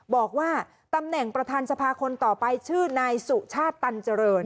บอกว่าตำแหน่งประธานสภาคนต่อไปชื่อนายสุชาติตันเจริญ